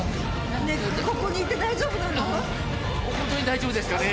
本当に大丈夫ですかね？